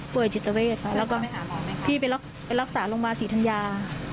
ปล่อยจิตเวทไปแล้วก็พี่ไปรักษาโรงพยาบาลสีทันยา